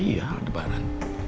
iya al debaran